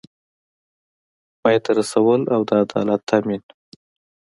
پای ته رسول او د عدالت تامین